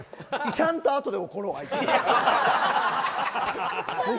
ちゃんとあとで怒ろう、あいつ。